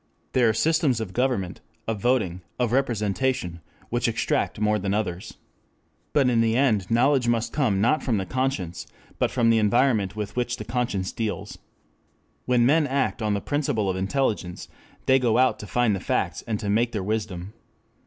There are systems of government, of voting, and representation which extract more than others. But in the end knowledge must come not from the conscience but from the environment with which that conscience deals. When men act on the principle of intelligence they go out to find the facts and to make their wisdom.